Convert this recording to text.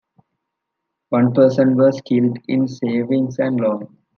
One person was killed in the Savings and Loan.